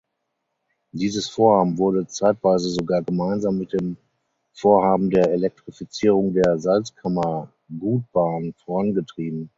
Dieses Vorhaben wurde zeitweise sogar gemeinsam mit dem Vorhaben der Elektrifizierung der Salzkammergutbahn vorangetrieben.